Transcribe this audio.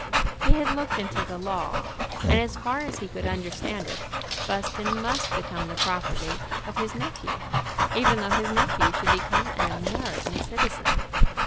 He had looked into the law, and, as far as he could understand it, Buston must become the property of his nephew, even though his nephew should become an American citizen.